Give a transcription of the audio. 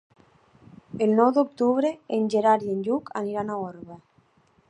El nou d'octubre en Gerard i en Lluc aniran a Orba.